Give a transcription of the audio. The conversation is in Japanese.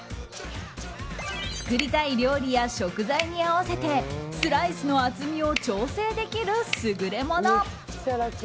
作りたい料理や食材に合わせてスライスの厚みを調整できる優れもの。